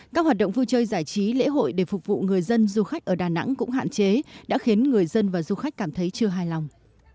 các hoạt động vui chơi giải trí lễ hội để phục vụ người dân du khách ở đà nẵng cũng hạn chế đã khiến người dân và du khách cảm thấy chưa hài lòng